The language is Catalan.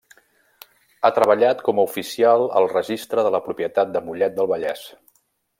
Ha treballat com a oficial al Registre de la Propietat de Mollet del Vallès.